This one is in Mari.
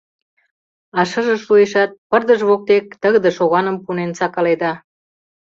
А шыже шуэшат, пырдыж воктек тыгыде шоганым пунен сакаледа.